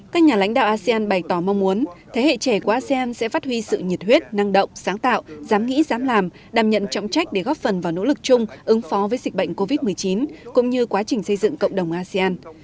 các nhà lãnh đạo asean bày tỏ mong muốn thế hệ trẻ của asean sẽ phát huy sự nhiệt huyết năng động sáng tạo dám nghĩ dám làm đảm nhận trọng trách để góp phần vào nỗ lực chung ứng phó với dịch bệnh covid một mươi chín cũng như quá trình xây dựng cộng đồng asean